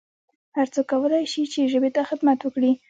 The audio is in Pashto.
هرڅوک کولای سي چي ژبي ته خدمت وکړي